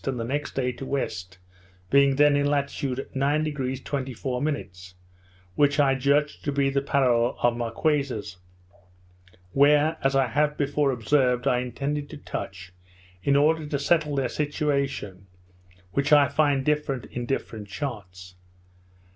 and the next day to west, being then in latitude 9° 24', which I judged to be the parallel of Marquesas; where, as I have before observed, I intended to touch, in order to settle their situation, which I find different in different charts.